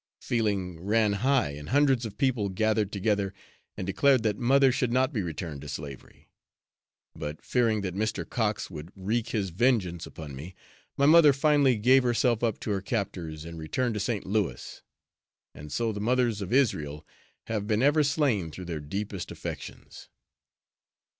Feeling ran high and hundreds of people gathered together and declared that mother should not be returned to slavery; but fearing that Mr. Cox would wreak his vengeance upon me, my mother finally gave herself up to her captors, and returned to St. Louis. And so the mothers of Israel have been ever slain through their deepest affections!